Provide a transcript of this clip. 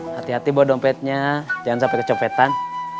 hati hati bawa dompetnya jangan sampai kecompetan